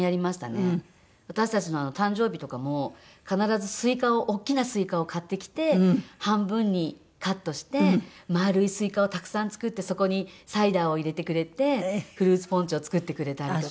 私たちの誕生日とかも必ずスイカを大きなスイカを買ってきて半分にカットして丸いスイカをたくさん作ってそこにサイダーを入れてくれてフルーツポンチを作ってくれたりとか。